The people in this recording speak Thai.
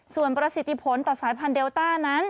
ส่วนประสิทธิผลต่อสายพันธุเดลต้านั้น